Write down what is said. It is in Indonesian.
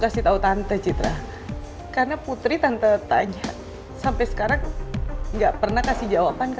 kasih tahu tante citra karena putri tante tanya sampai sekarang enggak pernah kasih jawaban